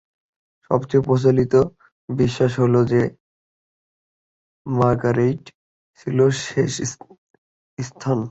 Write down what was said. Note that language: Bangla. সবচেয়ে প্রচলিত বিশ্বাস হল যে, মার্গারেটই ছিল শেষ সন্তান।